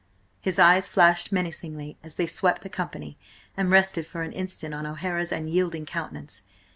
His eyes flashed menacingly as they swept the company, and rested for an instant on O'Hara's unyielding countenance.